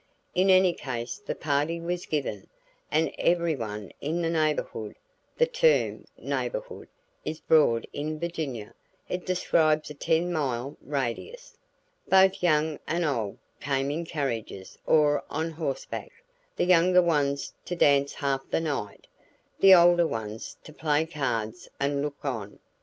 In any case the party was given, and everyone in the neighborhood (the term "neighborhood" is broad in Virginia; it describes a ten mile radius) both young and old came in carriages or on horseback; the younger ones to dance half the night, the older ones to play cards and look on.